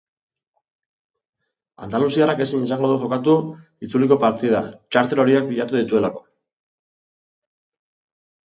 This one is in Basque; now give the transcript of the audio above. Andaluziarrak ezin izango du jokatu itzuliko partida txartel horiak pilatu dituelako.